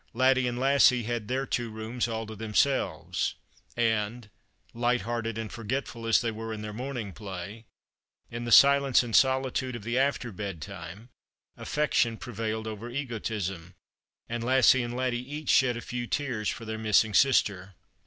Laddie and Lassie had their two rooms all to themselves, and — light hearted and forgetful as they were in their morning play — in the silence and solitude of the after bedtime aftection pre vailed over egotism, and Lassie and Laddie each shed a few tears for their missing sister.